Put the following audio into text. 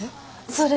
それ。